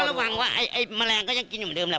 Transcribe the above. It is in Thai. แต่ก็ระวังว่าไอ้แมลงก็ยังกินอย่างเดิมแหละ